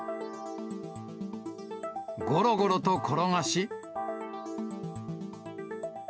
ごろごろと転がし。